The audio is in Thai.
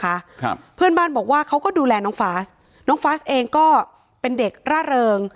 ครับเพื่อนบ้านบอกว่าเขาก็ดูแลน้องฟาสน้องฟาสเองก็เป็นเด็กร่าเริง